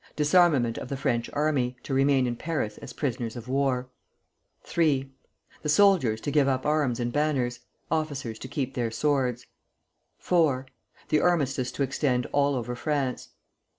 Disarmament of the French army, to remain in Paris as prisoners of war. III. The soldiers to give up arms and banners; officers to keep their swords. IV. The armistice to extend all over France.